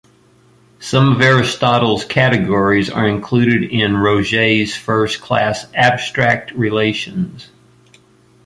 Some of Aristotle's Categories are included in Roget's first class "abstract relations".